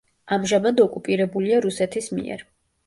ამჟამად ოკუპირებულია რუსეთის მიერ.